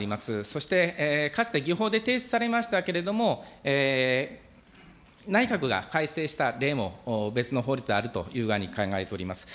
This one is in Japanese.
そしてかつて議法で提出されましたけれども、内閣が改正した例も、別の法律であるという具合に考えております。